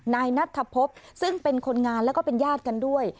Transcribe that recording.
นายนัทธพบซึ่งเป็นคนงานแล้วก็เป็นญาติกันด้วย